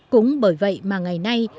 cũng bởi vậy mà ngày nay